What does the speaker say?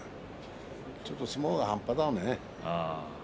ちょっと相撲が半端だわね。